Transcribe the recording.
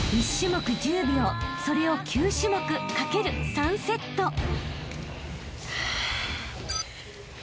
［１種目１０秒それを９種目掛ける３セット］